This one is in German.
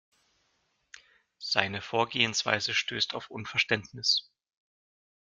Seine Vorgehensweise stößt auf Unverständnis.